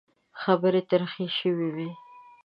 خبرې ترخې شوې وې.